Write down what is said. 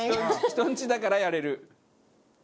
人んちだからやれる。